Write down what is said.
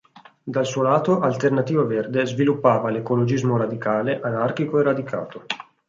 Dal suo lato Alternativa Verde sviluppava l’ecologismo radicale, anarchico e radicato.